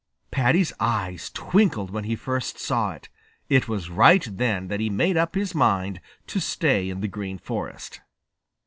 Paddy's eyes twinkled when he first saw it. It was right then that he made up his mind to stay in the Green Forest.